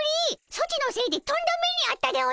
ソチのせいでとんだ目にあったでおじゃる！